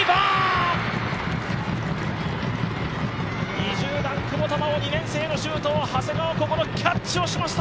２０番・久保田真生のシュートを長谷川想、キャッチをしました。